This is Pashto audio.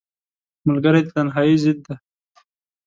ملګری د تنهایۍ ضد دی